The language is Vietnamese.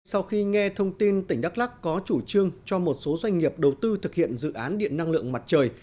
sau khi nghe thông tin tỉnh đắk lắc có chủ trương cho một số doanh nghiệp đầu tư thực hiện dự án điện năng lượng mặt trời